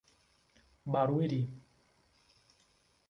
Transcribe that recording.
Barueri